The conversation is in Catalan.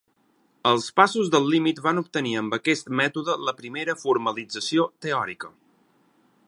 Els passos del límit van obtenir amb aquest mètode la primera formalització teòrica.